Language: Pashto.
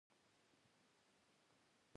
رسول الله ﷺ د قریش له قبیلې وو.